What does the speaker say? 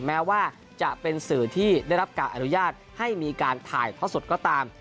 แม้ว่าจะเป็นสื่อที่ได้รับการอนุญาตให้มีการถ่ายทอดสดก็ตาม